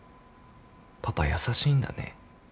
パパ優しいんだね。